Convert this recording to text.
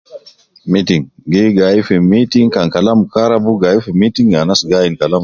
Meeting, gi gai fi meeting kan kalam karabu gai fi meeting anas gi ayin